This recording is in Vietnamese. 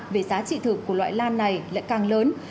về giá trị thực của loại lan này lại càng lớn